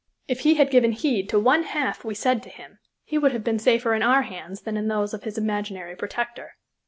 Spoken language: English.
If he had given heed to one half we said to him, he would have been safer in our hands than in those of his imaginary protector.